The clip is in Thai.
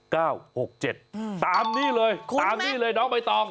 ตามนี้เลยตามนี่เลยน้องใบตอง